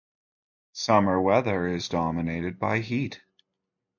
Summer weather is dominated by heat.